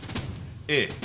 ええ。